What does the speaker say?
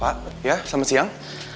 pak ya selamat siang